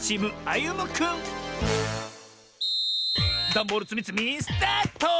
ダンボールつみつみスタート！